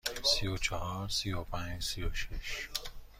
سی و چهار، سی و پنج، سی و شش.